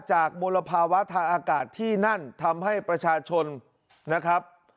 มลภาวะทางอากาศที่นั่นทำให้ประชาชนนะครับ